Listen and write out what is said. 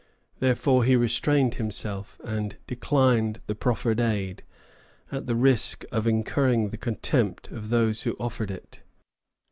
Therefore he restrained himself and declined the proffered aid, at the risk of incurring the contempt of those who offered it.